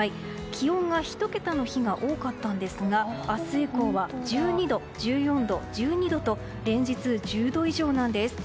気温が１桁の日が多かったんですが明日以降は１２度、１４度、１２度と連日１０度以上なんです。